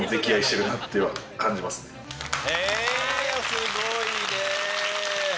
すごいね。